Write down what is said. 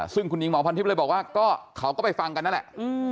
ซึ่งคุณหญิงหมอพันทิพย์เลยบอกว่าก็เขาก็ไปฟังกันนั่นแหละ